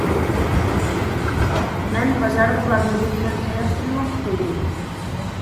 مەن بازارغا بارمىدىم ھەم تاياقتىنمۇ قۇتۇلدۇم.